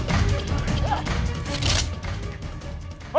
แบบเยี่ยม